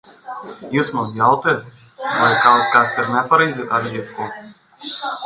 Jūs man jautājat, vai kaut kas ir nepareizi ar jebko?